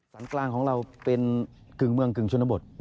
กลางของเราเป็นกึ่งเมืองกึ่งชนบท